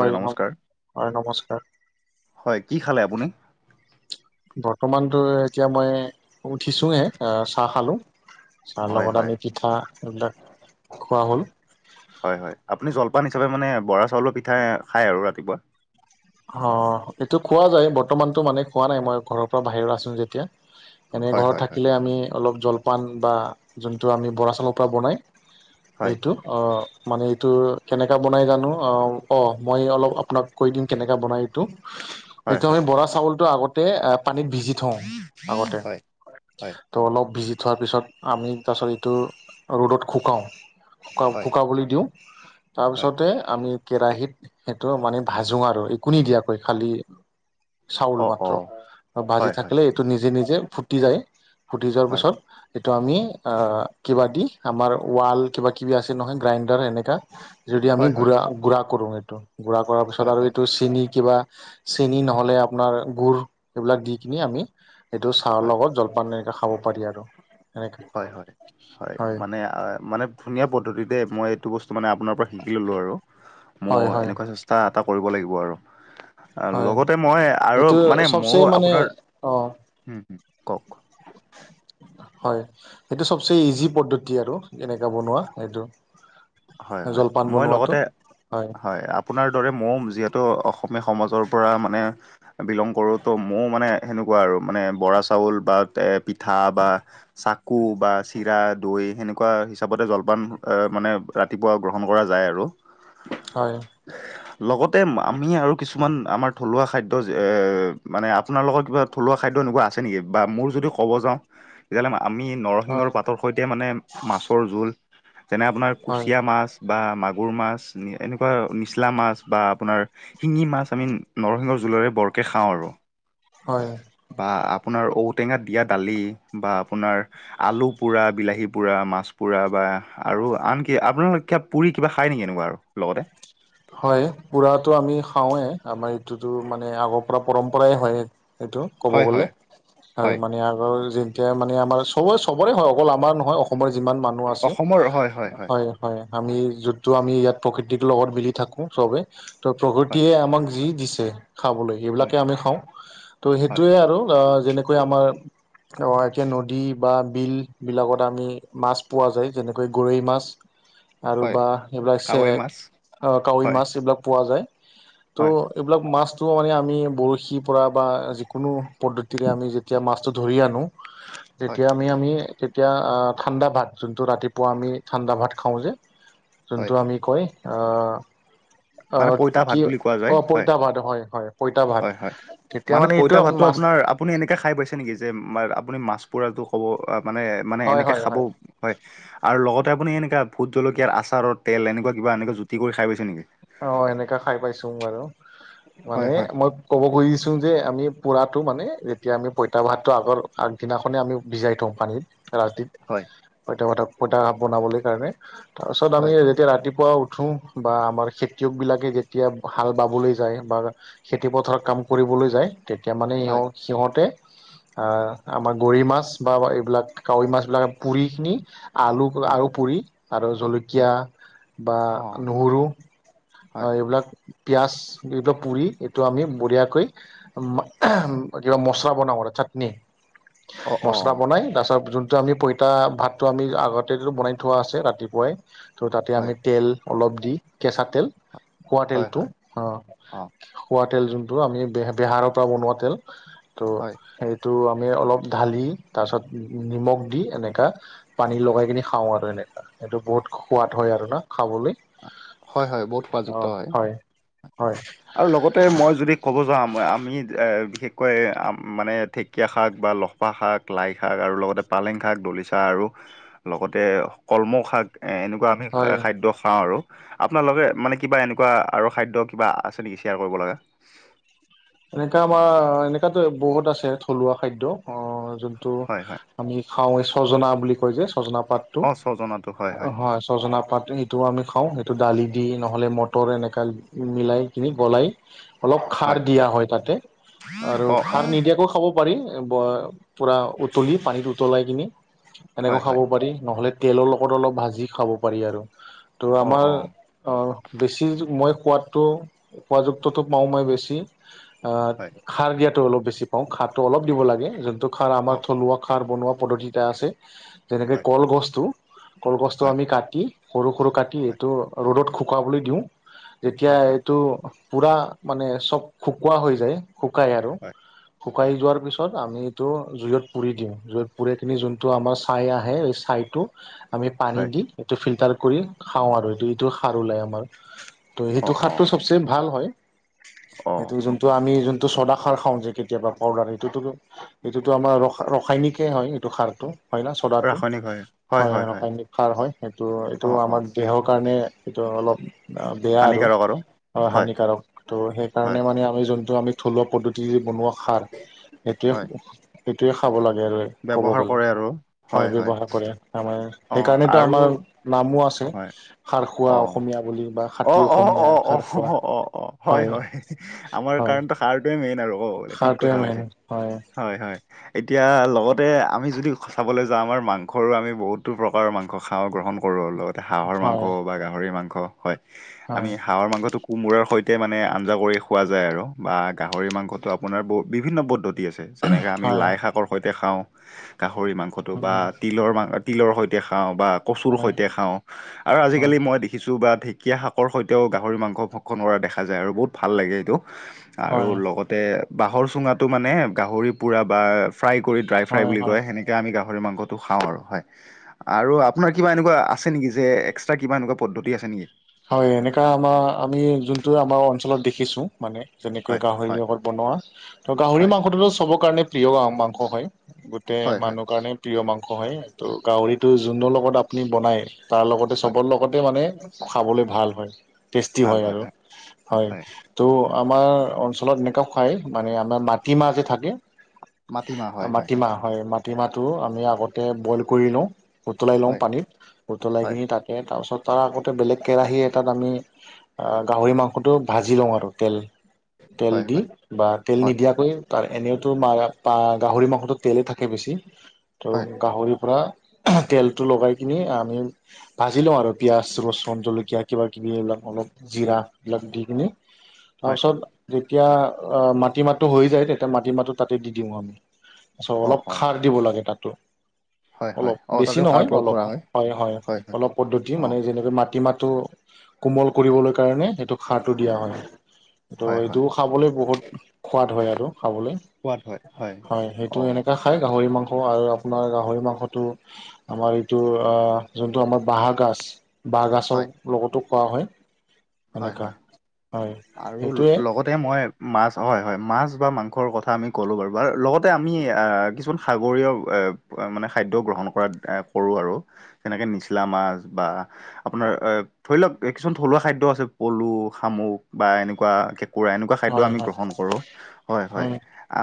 হয় নমস্কাৰ। হয় নমস্কাৰ [inaudible] হয় কি খালে আপুনি? বৰ্তমানটো এতিয়া মই উঠিছোঁহে চাহ খালোঁ চাহৰ হয় লগত হয় আমি পিঠা এইবিলাক খোৱা হ'ল। হয়', হয়', আপুনি জলপান হিচাপে মানে বৰা চাউলৰ পিঠা খায় আৰু ৰাতিপুৱা? হ, এইটো খোৱা যায় বৰ্তমানটো মানে খোৱা নাই মই ঘৰৰ পৰা বাহিৰত আছো যেতিয়া এনে হয় ঘৰত হয় হয় থাকিলে আমি অলপ জলপান বা যোনটো আমি বৰা চাউলৰ পৰা বনাই হয় এইটো অহ। মানে এইটো কেনেকুৱা বনাই জানো অ', অহ মই অলপ আপোনাক কৈ দিম কেনেকে বনাই এইটো। হয় সেইটো হয় আমি বৰা চাউলটো আগতে এ পানীত ভিজি থওঁ আগতে হয় হয় ত' অলপ ভিজি থোৱাৰ পিছত আমি তাৰপিছত এইটো ৰ'দত শুকাওঁ হয় শুকাবলৈ দিওঁ হয় তাৰপিছতে আমি কেৰাহিত সেইটো মানে ভাজি যো আৰু একো নিদিয়াকৈ খালি চাউল অ মাত্ৰ অ ভাজি হয় হয় থাকিলে এইটো নিজে নিজে ফুটি যায় ফুটি যোৱাৰ হয় পিছত সেইটো আমি কিবা দি আমাৰ ৱাল কিবা কিবি আছে নহয় গ্ৰাইণ্ডাৰ এনেকা যদি আমি হয় হয় গুড়া গুড়া কৰো এইটো গুড়া কৰাৰ পিছত হয় আৰু হয় এইটো চেনি কিবা চেনি নহলে আপোনাৰ গুড় এইবিলাক দিকিনি আমি এইটো চাহৰ লগত জলপান খাব পাৰি আৰু। এনেকে হয়', হয়', হয়', মানে -মানে ধুনীয়া পদ্ধতি দে মই এইটো বস্তু মানে আপোনাৰ পৰা শিকি ললো আৰু মোৰ হয় হয় এনেকুৱা চেষ্টা এটা কৰিব লাগিব আৰু। হয় লগতে মই আৰু এইটো মানে চবচে মই মানে আপোনাৰ অ হম', হম', কক [inaudible] হয়, এইটো চবচে ইজি পদ্ধতি আৰু এনেকে বনোৱা এইটো। হয়', হয়', মই লগতে হয় আপোনাৰ দৰে মৌম যিহেতু অসমীয়া সমাজৰ পৰা মানে বিলং কৰো ত' মৌ মানে সেনেকুৱা আৰু মানে বৰা চাউল বা পিঠা বা চাকু বা চিৰা দৈ এ সেনেকুৱা হিচাপতে জলপান মানে ৰাতিপুৱা গ্ৰহণ কৰা যায় আৰু। হয়। লগতে আমি আৰু কিছুমান আমাৰ থলুৱা খাদ্য মানে আপোনালোকৰ কিবা থলুৱা খাদ্য তেনেকুৱা আছে নেকি বা মোৰ যদি ক'ব যাও তেতিয়াহলে আমি নৰসিংহৰ হয় পাতৰ সৈতে মানে মাছৰ জোল যেনে আপোনাৰ হয় কুচিয়া মাছ বা মাগুৰ মাছ এনেকুৱা নিচলা মাছ বা আপোনাৰ শিঙি মাছ আমি নৰসিংহ জুলেৰে বৰকে খাওঁ আৰু হয় বা আপোনাৰ ঔটেঙা দিয়াত দালি বা আপোনাৰ আলু পোৰা, বিলাহী পোৰা মাছ পোৰা, বা আন কি আপোনালোকে [unintelligible] পুৰি কিবা খায় নেকি এনেকুৱা লগতে? হয়, পুৰাটো আমি খাওঁৱে আমাৰ এইটোতো মানে আগৰ পৰা পৰম্পৰাই হয়। সেইটো ক'ব গ'লে হয় আৰু মানে আগৰ এতিয়া মানে আমাৰ চবৰে -চবৰে হয় অকল আমাৰ নহয় অসমৰে যিমান মানুহ আছে হয়', হয় ', আমি যিটো আমি ইয়াত প্ৰকৃতিৰ লগত বিল থাকো চবেই ত' হয় প্ৰকৃতিয়ে আমাক যি দিছে খাবলৈ হয় সেইবিলাকে আমি খাওঁ ত' হয় সেইটোৱে আৰু অহ যেনেকৈ আমাৰ অহ, এতিয়া নদী বা বিলবিলাকত আমি মাছ পোৱা যায় যেনেকৈ গৰৈ মাছ আৰু হয় বাহ সেই [unintelligible] কাৱৈ মাছ চেক কাৱৈ হয় মাছ এইবিলাক পোৱা যায় ত' হয় এইবিলাক মাছ ত'হে আমি বৰশীৰ পৰা বা যিকোনো পদ্ধতিৰে আমি যেতিয়া মাছটো ধৰি আনো হয় তেতিয়া আমি- আমি তেতিয়া অহ ঠাণ্ডা ভাত যোনটো ৰাতিপুৱা আমি ঠাণ্ডা ভাত খাওঁ যে হয় যোনটো আমি কয় অহ অ মানে পইতা ভাত কি বুলি কোৱা যায় অ হয় পইতা, ভাত হয়। হয় পইতা ভাত হয় হয়। তেতিয়া মানে এইটো পইতা ভাতটো মাছ- আপোনাৰ আপুনি এনেকে খাইছে নেকি যে আপুনি মাছ- পুৰাটো ক'ব মানে মানে হয় এনেকৈ হয় খাব হয় আৰু লগত তা আপুনি এনেুৱা ভুট জলকীয়াৰ আচাৰৰ তেল এনেকুৱা কিবা এনেকৈ জুটি কৰি খাই পাইছে নেকি? অ সেনেকা খাই পাইছো বাৰু হয় মানে হয় মই ক'ব খুজিছো যে আমি পুৰাত- টো মানে যেতিয়া আমি পইতা ভাতটো আগৰ আগদিনাখনেই আমি ভিজাই থওঁ পানীত- ৰাতিত হয় পইতা পতাক পইতাাপ বনাবলৈ কাৰণে তাৰ পাছত আমি হয় যেতিয়া ৰাতি। পোৱা উঠো বা আমাৰ। খেতিয়কবিলাকে যেতিয়া হাল বাবলৈ যায় বা খেতিপথাৰত কাম কৰিবলৈ যায়। তেতিয়া মানে এও হয় সিহঁতে। আহ আমাৰ গৰৈ মাছ বা এইবিলাক কাৱৈ মাছ বিলাক পুৰি খিনি। আলু হয় আৰু পুৰি আৰু হয় জলকীয়া বা অ নহৰু। অ হয় এইবিলাক। পিয়াজ এইবিলাক পুৰি এইটো আমি বঢ়িয়াকৈ কিবা মছলা বনাওঁ আৰু। চাটনি অ অ মচলা বনাই তাছত জোনটো টো আমি পঁইতা ভাতটো আমি আগতে যিটো বনাই থোৱা আছে ৰাতিপুৱাই ত' তাতে হয় আমি তেল অলপ দি কেঁচা তেল হয় খোৱাতেলটো হয় অহ অ খোৱা তেল জোনটো আমি বে বেহাৰপা বনোৱা তেল ত হয় সেইটো। আমি অলপ ঢালি তাৰপিছত নিমখ দি এনেকা পানী লগাই কিনি খাওঁ আৰু এনেকা। সেইটো বহুত সোৱাদ হয় আৰু না খাবলৈ। হয় হয় বহুত হোৱাযুক্ত হয়। হয় আৰু লগতে মই যদি ক'ব যা ম আমি এ বিশেষ। কয় মানে ঢেকীয়া, শাক বা লহপা, শাক লাই শাক আৰু লগতে পালেং, শাক দলিচা আৰু। লগতে কলম, শাক। এ এনেকুৱা আমি হয় খাদ্য খাওঁ আৰু আপোনাল লগে মানে কিবা এনেকুৱা আৰু খাদ্য। কিবা আছে নেকি শ্বেয়াৰ কৰিব লগা। এনেকা আমাৰ এনেকাতো বহুত আছে থলুৱা খাদ্য অ যোনটো হয় হয়। আমি খাওঁ এই ছজনা বুলি কয় যে। জনা, পাতটো হয় ছজনা পাত। সেইটো আমি খাওঁ সেইটো দালি দি নহ'লে মটৰ এনেকা মিলাই কিনি বলাই। অলপ খাৰ দিয়া হয় তাতে আৰু অ' খাৰ অ' নিদিয়াকৈ খাব। পাৰি ব পূৰা উতলি পানীত উতলাই কিনি এনেকৈ হয় খাব হয়। পাৰি নহ'লে। তেলৰ লগত অলপ ভাজি খাব পাৰি আৰু তো অ' আমাৰ অ' বেছি যোগ মই। সোৱাদটো সোৱাদযুক্তটো পাওঁ মই বেছি। আ হয়। খাৰ দিয়াটো অলপ বেছি পাওঁ খাৰটো অলপ দিব লাগে যোনটো খাৰ আমাৰ অ' থলুৱা খাৰ বনোৱা। পদ্ধতি এটা আছে যেনেকৈ হয় কলগছটো কলগছটো হয় আমি কাটি। সৰু সৰু কাটি হয় এইটো ৰ'দত শুকাবলৈ দিওঁ যেতিয়া হয় হয় এইটো। পূৰা মানে চব শুকোৱা হৈ যায় শুকায় আৰু হয় শুকাই যোৱাৰ পিছত আমি। টো জুইত পুৰি দিওঁ জুইত পুৰি কিনি যোনটো আমাৰ ছাই আহে এই ছাইটো। আমি পানী হয় হয়। দি এইটো ফিল্টাৰ কৰি খাওঁ আৰু এইটো এইটো সাৰ ওলায় আমাৰ। ত' সেইটো অ' খাৰটো অ' চবচে ভাল হয়। অ' এইটো চদা খাৰ খাওঁ যে কেতিয়াবা পাউদাৰ এইটোটো এইটোতো আমাৰ ৰাসায়নিকেই হয় এইটো খাৰটো। হয় ন চ'ডাটো হয় ৰাসায়নিক সাৰ হয় সেইটো এইটো অ' অ' আমাৰ দেহৰ কাৰণে। সেইটো অলপ বেয়া আৰু অ হয় হানিকাৰক ত' হয়। সেইকাৰণে মানে আমি। যোনটো আমি থলুৱা পদ্ধতিৰে বনোৱা খাৰ সেইটোয়ে হয় সেইটোয়ে খাব লাগে। ক'ব ব্যৱহাৰ গ'লে। কৰে আৰু হয় ব্যৱহাৰ কৰে আমাৰ অ সেইকাৰণেতো আৰু আমাৰ নামো আছে হয় খাৰ খোৱা অ অসম। মীয়া বুলি। বা অ খাতি অ অসমীয়া অ অ খাৰ খোৱা অ অ হয় হয় আমাৰ হয় কাৰণো সাৰটয়ে মেইন আৰু। [unintelligible] অ ঠিক খাৰটোৱে কথা মেইন হৈছে হয় হয়। এতিয়া লগতে আমি যদি চাবলৈ যাওঁ আমাৰ মাংসৰো আমি বহুতো প্ৰকাৰৰ মাংস খাওঁ গ্ৰহণ। কৰো লগতে হাঁহৰ মাংস হয়, বা গাহৰি মাংস হয় হয়, আমি হাঁহৰ মাংসটো। কোমোৰাৰ সৈতে মানে আঞ্জা কৰি খোৱা যায় আৰু বা গাহৰি মাংসটো আপোনাৰ ব বিভিন্ন পদ্ধতি। আছে যেনেকা আমি হয়, লাই শাকৰ সৈতে খাওঁ গাহৰি মাংসটো বা উম, তিলৰ মা। তিলৰ সৈতে খাওঁ বা কচুৰ হয়, সৈতে খাওঁ আৰু হয়, আজিকালি মই দেখিছোঁ বা। কুকীয়া [unintelligible] শাক সৈতেও গাহৰি মাংস ভক্ষণ কৰা দেখা যায় আৰু বহুত ভাল লাগে সেইটো। আৰু হয়, লগতে বাঁহৰ চুঙাতো মানে গাহৰি পোৰা বা। ফ্ৰাই কৰি ড্ৰাই ফ্ৰাই হয়, বুলি হয়। কয় সনেকৈ আমি গাপো গাহৰি মাংসটো খাওঁ আৰু হয় আৰু আপোনাৰ কিবা এনেকুৱা আছে নেকি যে এক্সট্ৰা কিবা এনেকুৱা পদ্ধতি আছে নেকি [unintelligible] হয় এনেকা আমাৰ আমি যোনটো আমাৰ অঞ্চলত দেখিছো মানে যেনেকৈ হয় গাহৰি হয় লগত বনোৱা ত' গাহৰি হয় মাংসটোতো চব কাৰণে প্ৰিয় মাংস হয় গোটেই হয় হয় মানুহ কাৰণে প্ৰিয় মাংস হয় ত' গাহৰিটো যোনটো লগত আপুনি বনাই তাৰ লগতে হয় চবৰ লগতে মানে খাবলৈ ভাল হয় টেষ্টি হয় আৰু হয় ত' আমাৰ অঞ্চলত এনেকুৱাও খায় মানে আমাৰ মাটিমাহ যে থাকে মাটিমাহ হয় মাটিমাহ হয় মাটিমাহটো আমি আগতে বইল কৰি লওঁ উতলাই লওঁ হয় পানীত উতলাই হয় কিনি তাকে তাৰপাছত তাৰ আগৌ [unintelligible] বেলেগ কেৰাহী এটাত আমি গাহৰি মাংসটো ভাজি লওঁ আৰু তেল তেল হয় দি হয় বা তেল হয় নিদিয়াকৈ তাৰ এনেওতো গাহৰি মাংসটো তেলেই থাকে বেছি তো হয় গাহৰিৰ পৰা তেলটো লগাই কিনি আমি ভাজি লওঁ আৰু পিয়াজ ৰচোন জলকীয়া কিবাকিবি এইবিলাক অলপ জিৰা এইবিলাক দি কিনে হয় তাৰপিছত যেতিয়া অ মাটি মাতটো হৈ যায় তেতিয়া মাটি মাহটো তাতে দি দিওঁ আমি তাৰপছত অঁ অলপ অঁ খাৰ দিব লাগে তাতো হয় হয় অলপ অঁ বেছি তাতেও সাৰ নহয় প্ৰয়োগ অলপ কৰা হয় হয় অলপ পদ্ধতি মানে অঁ যেনে মাটিমাহটো কোমল কৰিবলৈ কাৰণে সেইটো সাৰটো দিয়া হয় ত হয় হয় এইটোও খাবলৈ বহুত সোৱাদ হয় আৰু খাবলৈ সোৱাদ হয় হয় সেইটো অঁ এনেকা খাই গাহৰি মাংস আৰু আপোনাৰ গাহৰি মাংসটো আমাৰ এইটো যোনটো আমাৰ বহা গছ [unintelligible] বাঁহগাজৰ হয় লগতো খোৱা হয়। হয় এনেকা হয় হয় আৰু সেইটোৱে লগতে মই মাছ হয় হয় মাছ বা মাংসৰ কথা আমি ক'লো বাৰু লগতে আমি কিছুমান সাগৰীয় মানে খাদ্য গ্ৰহণ কৰাত আ কৰো‌ আৰু এনেকে নিচিলে আমাক বা আপোনাৰ ধৰি লওক কিছুমান থলুৱা খাদ্য আছে পলু শামুক বা এনেকুৱা। এনেকুৱা খাদ্য হয় আমি হয় গ্ৰহণ কৰো হয় হয় আ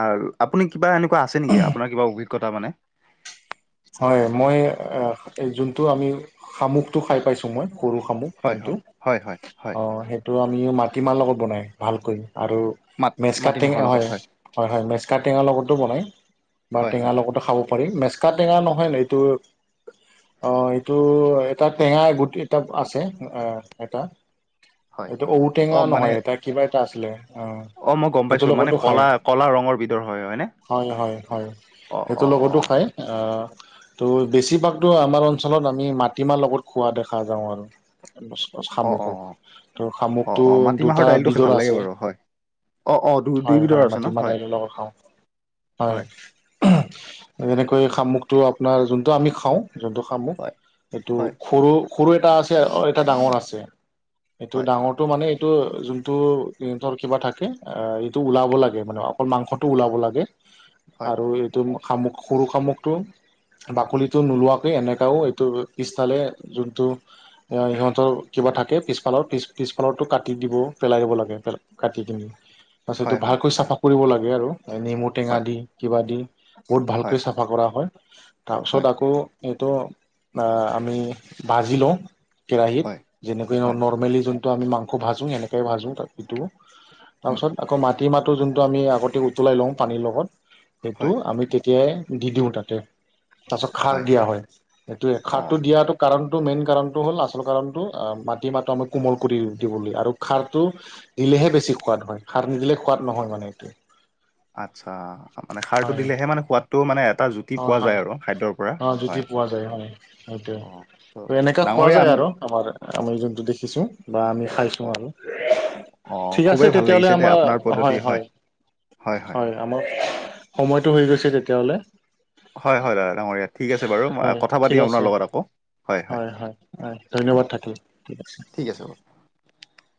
আপোনি কিবা এনেকুৱা আছে নেকি আপোনাৰ কিবা অভিজ্ঞতা মানে এই যোনটো আমি শামুকটো খাই পাইছোঁ মই সৰু শামুহ হয় যোনটো হয় হয় হয় হয় অ সেইটো আমি মাটিমাহ লগত বনাই ভালকৈ আৰু মাত মেজ মাটিমাহৰ কাটেঙা লগত হয় হয় হয় মেজকাটেঙাৰ লগতো বনায়। বা হয় টেঙা হয় লগতে খাব পাৰি মেজকা টেঙা নহয় ন এইটো অ এইটো এটা টেঙা গোট এটা আছে এ এটা হয় এইটো ঔটেঙা অ মানে নহয় এতিয়া কিবা এটা আছিলে অ অ মই গম সেইটোৰ পাইছো মানে লগতো কলা খায় কলা ৰঙৰ বিধৰ হয় হয়নে হয় হয় হয় অ সেইটো অ অ লগতো খায় অ ত' বেছিভাগতো আমাৰ অঞ্চলত আমি মাটিমাহ লগত খোৱা দেখা যাওঁ আৰু অ অ অ শামুকক অ শামুকটো অ মাটিমাহৰ দুটা দাইলটো খাই বিজৰ ভাল লাগে আছে বাৰু হয় অ অ দুই হয় দুইবিধৰ হয় আছে ন মাটিমাহ হয় দাইলৰ লগত খাওঁ হয় যেনেকৈ শামুকটো আপোনাৰ যোনটো আমি খাওঁ যোনটো শামুক হয় এইটো হয় সৰু সৰু এটা আছে অ এটা ডাঙৰ আছে এইটো হয় ডাঙৰটো মানে এইটো যোনটো সিহঁতৰ কিবা থাকে এইটো ওলাব লাগে মানে অকল মাংসটো ওলাব লাগে হয় আৰু এইটো শামুক সৰু শামুকটো বাকলিটো নোলোৱাকৈ এনেকাও এইটো পিছফালে যোনটো সিহতৰ থাকে পিছফালৰ পিছ পিছফালতো কাটি দিব পেলাই দিব লাগে কাটি কিনি তাৰপাছতটো হয় হয় ভালকৈ চাফা কৰিব লাগে আৰু নেমু টেঙা দি কিবা দি বহুত ভাল হয় কৈ চাফা কৰা হয় হয় তাৰপিছত আকৌ এইটো আমি বাজি লওঁ হয় কেৰাহীত হয় যেনেকৈ হয় নৰ্মেলি যোনটো আমি মাংস ভাজোঁ সেনেকৈ ভাজোঁ সেটো উম তাৰপিছত আকৌ মাটি মাহটো যোনটো আমি আগতে উতলাই লওঁ পানীৰ লগত হয় সেইটো আমি তেতিয়াই দি দিওঁ তাতে তাৰ পিছত খাৰ দিয়া হয় এইটোয়ে অ খাৰটো দিয়াটো কাৰণ মেন কাৰণটো হ'ল আচল কাৰণটো মাটিমাহটো আমাক কোমল কৰি দিবলৈ আৰু শাৰ টো দেহে বেছি সোৱাদ হয় সাৰ নিদিলে সোৱাদ নহয় মানে এইটোৱে আচ্ছা মানে শাৰটো দিলেহে মানে সোৱাদ তু মানে এটা জুতি হয় পোৱা হয় যায় আৰু খাদ্যৰ পৰা অ জুতি হয় পোৱা যায় পোৱা ডাঙৰীয়া যায় আম আৰু আমাৰ আমি যোনটো দেখিছো বা আমি অ খাইছো আৰু অ ঠিক আছে খুবেই ভাল তেতিয়াহ'লে লাগিছে দেই আমাৰ আপোনাৰ পদ্ধতি হয় হয় হয় আমাৰ সময়তটো হৈ গৈছে তেতিয়াহলে হয় হয় দাদা ডাঙৰীয়া ঠিক আছে বাৰু হয় কথা ঠিক পাতিম আছে আপোনাৰ লগত আকৌ হয় হয় হয় ধন্যবাদ থাকিল ঠিক আছে [unintelligible]